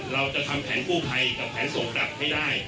เราจะทำแผนกู้ภัยกับแผนส่งกลับให้ได้